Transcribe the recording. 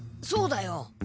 そうだよ。